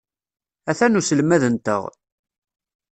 Atan uselmad-nteɣ.